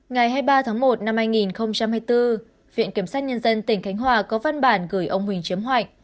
ngày hai mươi ba tháng một năm hai nghìn hai mươi bốn viện kiểm sát nhân dân tỉnh khánh hòa có văn bản gửi ông huỳnh chiếm hoại